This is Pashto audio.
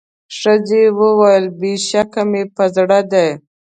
ښځي وویل بېشکه مي په زړه دي